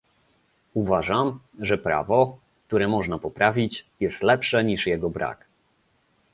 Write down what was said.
Uważam, że prawo, które można poprawić, jest lepsze niż jego brak